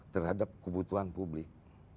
terhadap kebutuhan publik